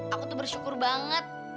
aku tuh bersyukur banget